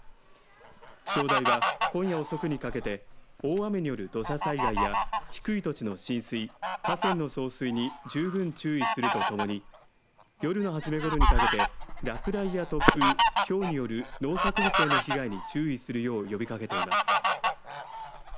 気象台は今夜遅くにかけて大雨による土砂災害や低い土地の浸水河川の増水に十分注意するとともに夜の初めごろにかけて落雷や突風、ひょうによる農作物への被害に注意するよう呼びかけています。